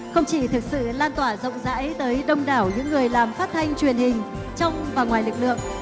không chỉ thực sự lan tỏa rộng rãi tới đông đảo những người làm phát thanh truyền hình trong và ngoài lực lượng